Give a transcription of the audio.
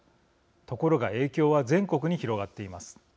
ところが影響は全国に広がっています。